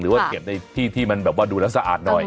ว่าเก็บในที่ที่มันแบบว่าดูแล้วสะอาดหน่อย